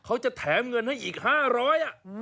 เขาจะแถมเงินให้อีก๕๐๐บาท